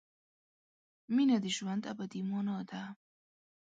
مینه د ژوند ابدي مانا ده.